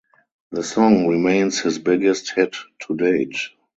The song remains his biggest hit to date.